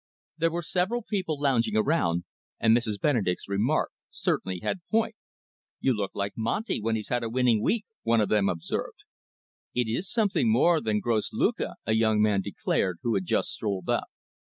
There were several people lounging around, and Mrs. Benedek's remark certainly had point. "You look like Monty, when he's had a winning week," one of them observed. "It is something more than gross lucre," a young man declared, who had just strolled up.